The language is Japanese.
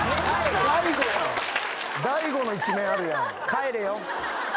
帰れよ。